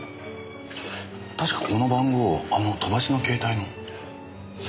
確かこの番号あの飛ばしの携帯の。